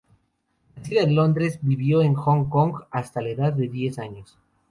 Nacida en Londres, vivió en Hong Kong hasta la edad de diez años.